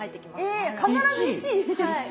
え必ず１位？